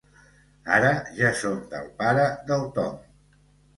Ara ja són del pare del Tom.